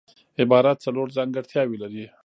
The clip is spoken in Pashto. عبارت څلور ځانګړتیاوي لري.